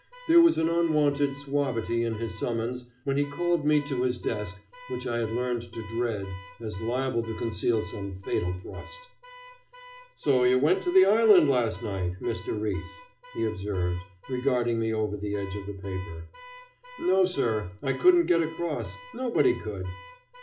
There was an unwonted suavity in his summons when he called me to his desk which I had learned to dread as liable to conceal some fatal thrust. "So you went to the island last night, Mr. Riis," he observed, regarding me over the edge of the paper. "No, sir! I couldn't get across; nobody could."